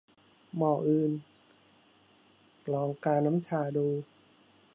หม้ออื่น ! ลองกาน้ำชาดู